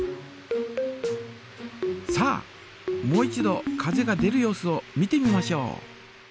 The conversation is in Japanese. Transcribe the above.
さあもう一度風が出る様子を見てみましょう。